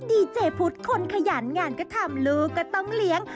ดีเจพุทธคนขยันงานก็ทำลูกก็ต้องเลี้ยง